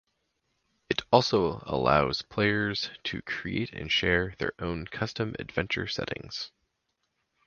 It also allows players to create and share their own custom adventure settings.